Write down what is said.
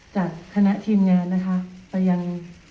จากคณะทีมงานนะคะไปยัง